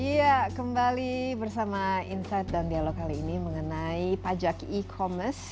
iya kembali bersama insight dan dialog kali ini mengenai pajak e commerce